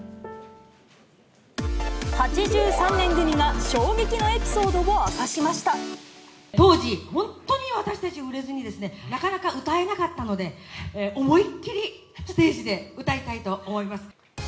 ８３年組が衝撃のエピソード当時、本当に私たち、売れずにですね、なかなか歌えなかったので、思いっ切りステージで歌いたいと思います。